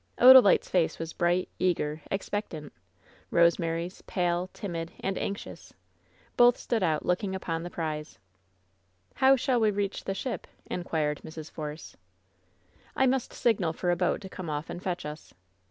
Odalite's face was bright, eager, expectant; Rose mary's pale, timid and anxious; both stood looldng out upon the prize. "How shall we reach the ship?" inquired Mrs. Force. "I must signal for a boat to come off and fetch us!